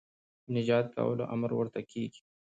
د نجات کولو امر ورته کېږي